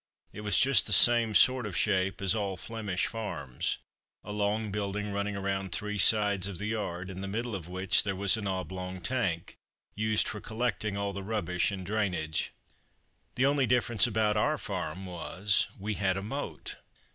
It was just the same sort of shape as all Flemish farms a long building running round three sides of the yard, in the middle of which there was an oblong tank, used for collecting all the rubbish and drainage. The only difference about our farm was, we had a moat.